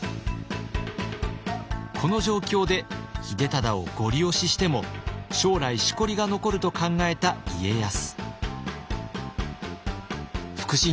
この状況で秀忠をゴリ押ししても将来しこりが残ると考えた家康。